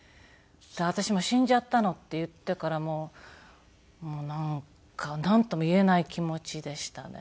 私も「死んじゃったの」って言ってからなんともいえない気持ちでしたね。